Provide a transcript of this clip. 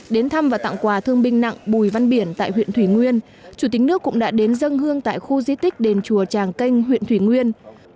đến thăm và tặng quà thương binh nặng bùi văn biển tại huyện thủy nguyên chủ tịch nước cũng đã đến dân hương tại khu di tích đền chùa tràng canh huyện thủy nguyên